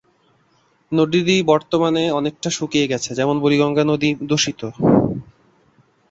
নদীটি বর্তমানে অনেকটা শুকিয়ে গেছে।